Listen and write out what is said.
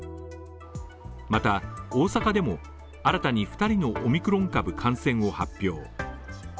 また、大阪でも新たに２人のオミクロン株感染を発表。